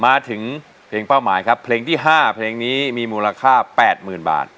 มาถึงเพลงเป้าหมายครับเพลงที่๕เพลงนี้มีมูลค่า๘๐๐๐บาท